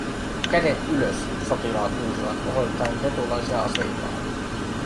"Kädet ylös", sotilaat huusivat osoittaen tetulaisia aseillaan.